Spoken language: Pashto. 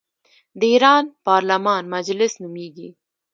د ایران پارلمان مجلس نومیږي.